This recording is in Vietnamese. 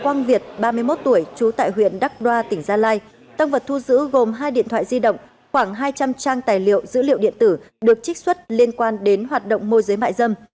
quang việt ba mươi một tuổi trú tại huyện đắk đoa tỉnh gia lai tăng vật thu giữ gồm hai điện thoại di động khoảng hai trăm linh trang tài liệu dữ liệu điện tử được trích xuất liên quan đến hoạt động môi giới mại dâm